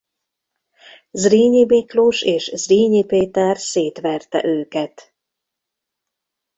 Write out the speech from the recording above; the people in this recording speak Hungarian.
Zrínyi Miklós és Zrínyi Péter szétverte őket.